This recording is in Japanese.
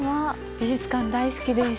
美術館、大好きです。